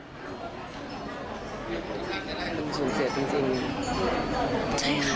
หนูสูงเสียจริง